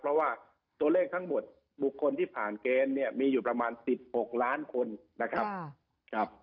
เพราะว่าตัวเลขทั้งหมดบุคคลที่ผ่านเกณฑ์เนี่ยมีอยู่ประมาณ๑๖ล้านคนนะครับ